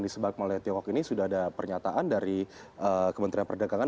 disebabkan oleh tiongkok ini sudah ada pernyataan dari kementerian perdagangan